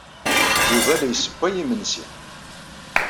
Yuba la yessewway imensi.